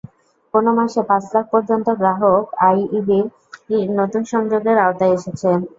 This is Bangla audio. কোনো মাসে পাঁচ লাখ পর্যন্ত গ্রাহক আরইবির নতুন সংযোগের আওতায় এসেছে।